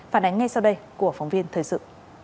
phản ánh ngay sau đây của phóng viên thời sự